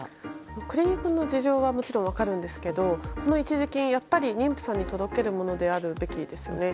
クリニックの事情はもちろん分かるんですがこの一時金、やっぱり妊婦さんに届けるべきものでありますよね。